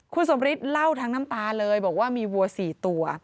คุณสมฤทธิ์เล่าทั้งน้ำตาเลยบอกว่ามีวัว๔ตัว